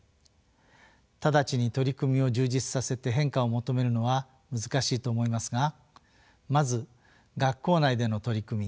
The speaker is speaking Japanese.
直ちに取り組みを充実させて変化を求めるのは難しいと思いますがまず学校内での取り組み